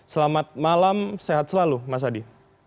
selamat malam sehat selalu mas adi